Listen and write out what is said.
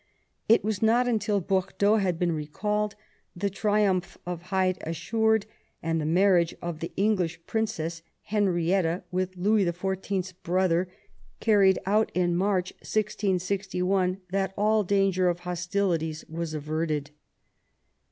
It was not until Bordeaux had been recalled, the triumph of Hyde assured, and the marriage of the English Princess Henrietta with Louis XIV. 's brother carried out in March 1661, that all danger of hostilities was averted.